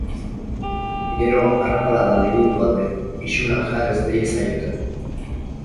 Gero arrapaladan egin du alde, isuna jar ez diezaioten.